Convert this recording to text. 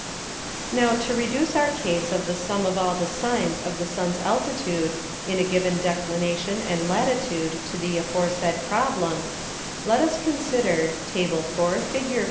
Now to reduce our Case of the Sum of all the Sines of the Sun's Altitude in a given Declination and Latitude to the aforesaid Problem, let us consider (_Tab. 4. Fig.